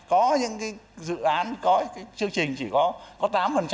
có những cái dự án có chương trình chỉ có tám